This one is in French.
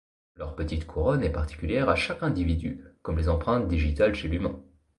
Leur petite couronne est particulière à chaque individu comme les empreintes digitales chez l’humain.